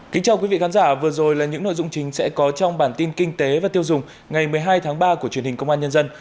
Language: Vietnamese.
kính chào quý vị khán giả vừa rồi là những nội dung chính sẽ có trong bản tin kinh tế và tiêu dùng ngày một mươi hai tháng ba của truyền hình công an nhân dân